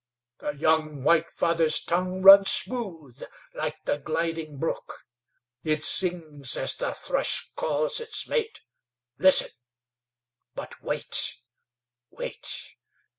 The young White Father's tongue runs smooth like the gliding brook; it sings as the thrush calls its mate. Listen; but wait, wait!